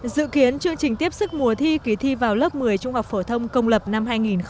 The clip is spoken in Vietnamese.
dự kiến chương trình tiếp xúc mùa thi kỳ thi vào lớp một mươi trung học phổ thông công lập năm hai nghìn một mươi chín